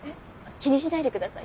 気にしないでください。